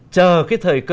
chờ cái thời cơ